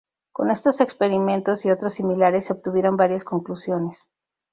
Con estos experimentos, y otros similares, se obtuvieron varias conclusiones.